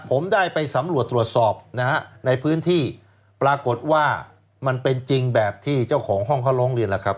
ผมได้ไปสำรวจตรวจสอบนะฮะในพื้นที่ปรากฏว่ามันเป็นจริงแบบที่เจ้าของห้องเขาร้องเรียนแล้วครับ